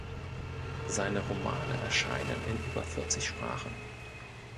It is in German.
Seine Romane erscheinen in über vierzig Sprachen.